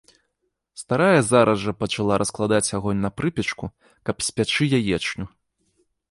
Старая зараз жа пачала раскладаць агонь на прыпечку, каб спячы яечню.